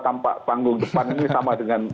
tampak panggung depan ini sama dengan